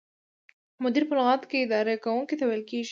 مدیر په لغت کې اداره کوونکي ته ویل کیږي.